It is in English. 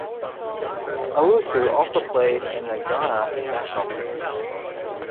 Owusu also played in the Ghana national team.